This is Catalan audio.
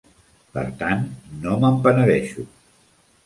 Per tant, no me'n penedeixo.